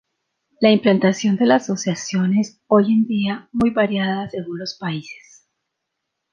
La implantación de la asociación es hoy en día muy variada según los países.